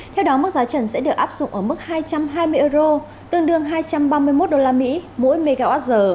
theo đó mức giá trần sẽ được áp dụng ở mức hai trăm hai mươi euro tương đương hai trăm ba mươi một usd mỗi mwh